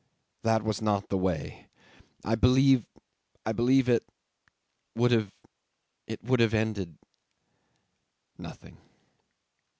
That was not the way. I believe I believe it would have it would have ended nothing."